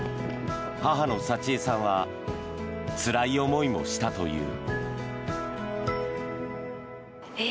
母の祥江さんはつらい思いもしたという。